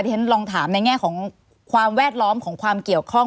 ฉันลองถามในแง่ของความแวดล้อมของความเกี่ยวข้อง